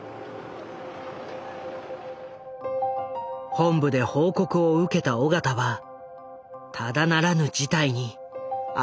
本部で報告を受けた緒方はただならぬ事態に頭を悩ませた。